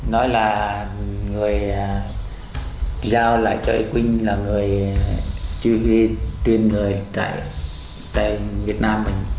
nói là người giao lại cho ý quỳnh là người truyền lời tại việt nam mình